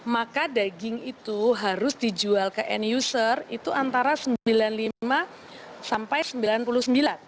maka daging itu harus dijual ke end user itu antara sembilan puluh lima sampai rp sembilan puluh sembilan